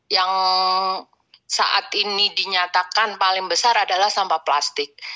yang saat ini dinyatakan paling besar adalah sampah plastik